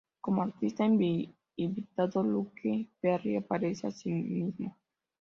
Como artista invitado, Luke Perry aparece asimismo.